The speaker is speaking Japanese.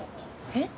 えっ？